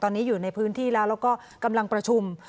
ตอนนี้อยู่ในพื้นที่แล้วแล้วก็กำลังประชุม